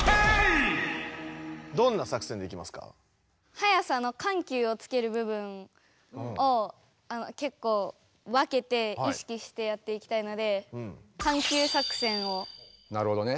速さのかんきゅうをつける部分をけっこう分けて意識してやっていきたいのでなるほどね。